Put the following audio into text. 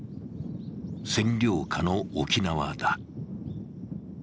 占領下の沖縄だ。